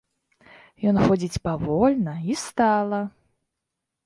Ён ходзіць павольна і стала.